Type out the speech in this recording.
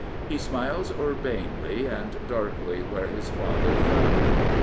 He smiles urbanely and darkly where his father thundered.